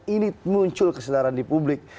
ini muncul kesedaran di publik